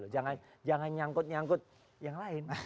jangan nyangkut nyangkut yang lain